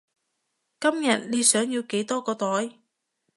今日你想要幾多個袋？